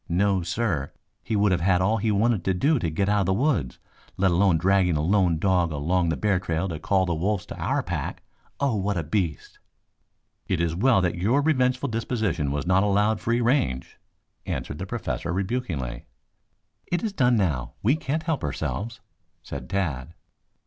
No, sir, he would have all he wanted to do to get out of the woods, let alone dragging a lone dog along the bear trail to call the wolves to our pack. Oh, what a beast!" "It is well that your revengeful disposition was not allowed free range," answered the Professor rebukingly. "It is done now. We can't help ourselves," said Tad.